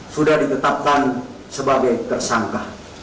sudah diketapkan sebagai tersangka